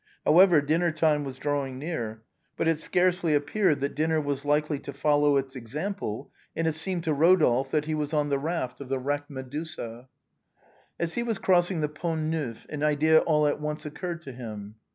However, dinner time was drawing near. But it scarcely appeared that dinner was likely to follow its ex ample, and it seemed to Rodolphe that he was on the raft of the wrecked Medusa. As he was crossing the Pont Neuf an idea all at once occurred to him.